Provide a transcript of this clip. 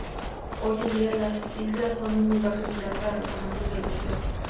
Hoy en día las islas son un lugar popular para los amantes del buceo.